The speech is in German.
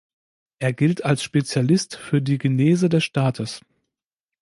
Er gilt als Spezialist für die Genese des Staates.